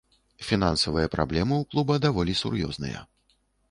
Фінансавыя праблемы ў клуба даволі сур'ёзныя.